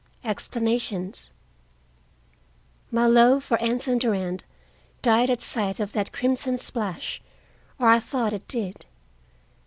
EXPLANATIONS My love for Anson Durand died at sight of that crimson splash or I thought it did.